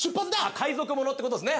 海賊ものってことですね。